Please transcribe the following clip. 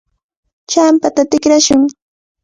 Champata tikrashun.